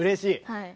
はい。